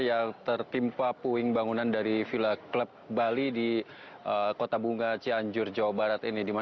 yang tertimpa puing bangunan dari villa club bali di kota bunga cianjur jawa barat ini